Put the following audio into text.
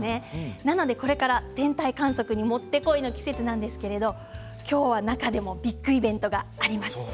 なので、これから天体観測にもってこいの季節なんですけれど中でもビッグイベントがあります。